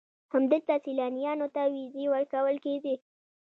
همدلته سیلانیانو ته ویزې ورکول کېدې.